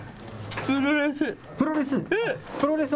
プロレス。